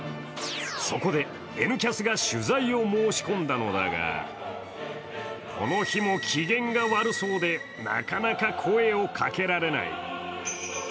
そこで、「Ｎキャス」が取材を申し込んだのだが、この日も機嫌が悪そうでなかなか声をかけられない。